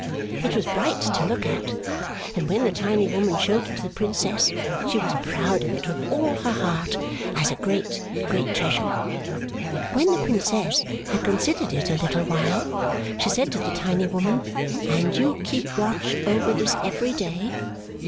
It was bright to look at; and when the tiny woman showed it to the Princess, she was proud of it with all her heart, as a great, great treasure. When the Princess had considered it a little while, she said to the tiny woman, And you keep watch over this every day?